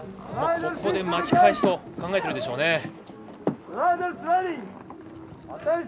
ここで巻き返しと考えているでしょうね。